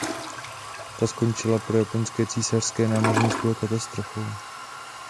Ta skončila pro Japonské císařské námořnictvo katastrofou.